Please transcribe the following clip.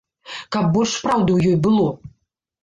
Каб больш праўды ў ёй было.